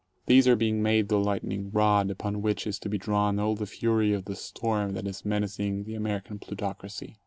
These are being made the light ning rod upon which is to be drawn all the fury of the storm that is menacing the American plutocracy.